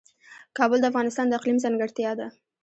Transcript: کابل د افغانستان د اقلیم ځانګړتیا ده.